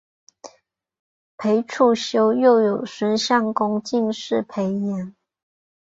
裴处休又有孙乡贡进士裴岩。